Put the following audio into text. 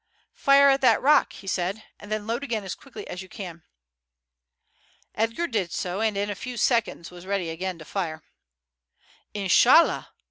"Fire at that rock," he said, "and then load again as quickly as you can." Edgar did so, and in a few seconds was again ready to fire. "Inshallah!"